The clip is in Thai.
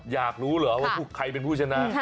อยากรู้เหรอว่าใครเป็นผู้ชนะ